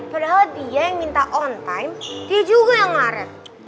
padahal dia yang minta on time dia juga yang maret